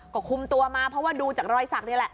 ก็คุมตัวมาเพราะว่าดูจากรอยสักนี่แหละ